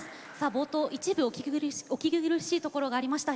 冒頭一部お聞き苦しいところがありました。